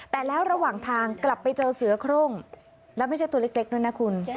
แต่แล้วระหว่างทางกลับไปเจอเสือโครงแล้วไม่ใช่ตัวเล็กด้วยนะคุณ